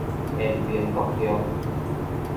延平國中